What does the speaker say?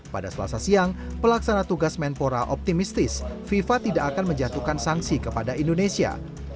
pada selasa siang pelaksana tugas menpora optimistis fifa tidak akan menjatuhkan sanksi kepada indonesia